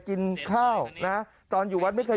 คุณผู้ชมเอ็นดูท่านอ่ะ